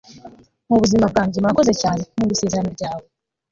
mubuzima bwanjye Murakoze cyane Nkunda isezerano ryawe